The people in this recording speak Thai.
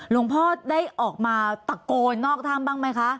หลวงพ่อได้ออกมาตะโกนนอกถ้ำบ้างไหมคะ